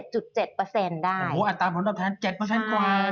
โอ้โหอัตราผลตอบแทน๗กว่า